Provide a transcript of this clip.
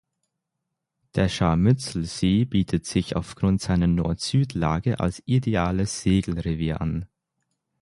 Der Scharmützelsee bietet sich aufgrund seiner Nord-Süd-Lage als ideales Segelrevier an.